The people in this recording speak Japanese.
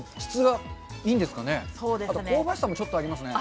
あと香ばしさもちょっとありますね。